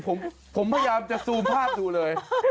ผมพยายามจะซูมภาพดูเลย